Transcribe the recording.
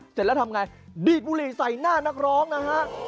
เสร็จแล้วทำไงดีดบุหรี่ใส่หน้านักร้องนะฮะ